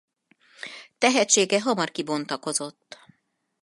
Tehetsége hamar kibontakozott.